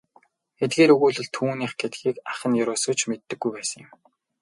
Эдгээр өгүүлэл түүнийх гэдгийг ах нь ердөөсөө ч мэддэггүй байсан юм.